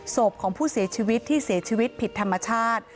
ศพของผู้เสียชีวิตที่เสียชีวิตผิดธรรมชาติ